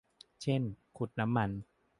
เช่น ขุดน้ำมัน